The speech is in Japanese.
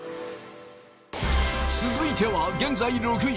続いては現在６位